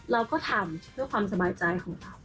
เราก็ทำเพื่อความสบายใจของเรา